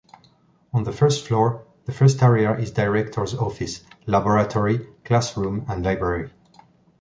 On the first floor, the first area is director’s office, laboratory, classroom and library.